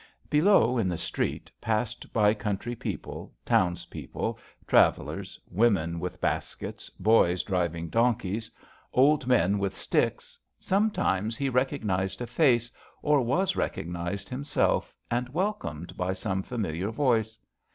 Below in the street passed by country people, townspeople, travellers, women with baskets,, boys driving donkeys, old mea 90 JOHN SHERMAN. with sticks; sometimes he recog nized a face or was recognized himself, and welcomed by some familiar voice.